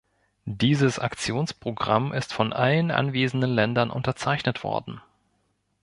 Dieses Aktionsprogramm ist von allen anwesenden Ländern unterzeichnet worden.